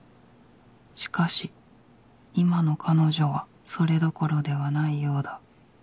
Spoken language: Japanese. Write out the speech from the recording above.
しかし今の彼女はそれどころではないようだ